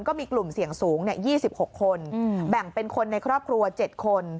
ก็มีกลุ่มเสี่ยงสูง๒๖คนแบ่งเป็นคนในครอบครัว๗คน